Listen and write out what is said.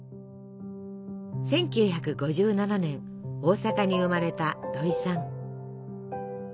１９５７年大阪に生まれた土井さん。